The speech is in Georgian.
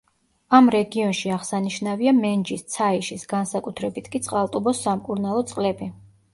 ამ რეგიონში აღსანიშნავია მენჯის, ცაიშის, განსაკუთრებით კი წყალტუბოს სამკურნალო წყლები.